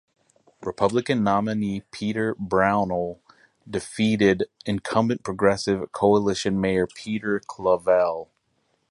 Republican nominee Peter Brownell defeated incumbent Progressive Coalition Mayor Peter Clavelle.